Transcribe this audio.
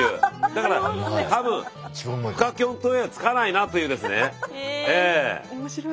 だから多分深キョン島へは着かないなというですねええ。